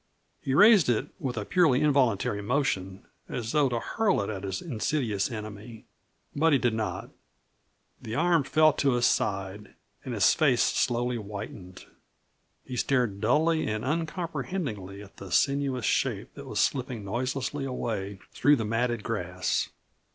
He raised it, with a purely involuntary motion, as though to hurl it at his insidious enemy. But he did not. The arm fell to his side, and his face slowly whitened. He stared dully and uncomprehendingly at the sinuous shape that was slipping noiselessly away through the matted grass.